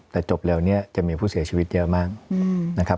แต่จบเร็วนี้จะมีผู้เสียชีวิตเยอะมากนะครับ